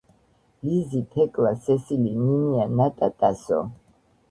ლიზი თეკლა სესილი ნინია ნატა ტასო